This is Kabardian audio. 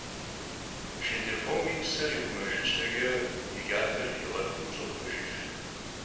Şşındırxhom yi pser yixhumejjın şheç'e yi ç'aper piğexuu ş'opxhuejjıf.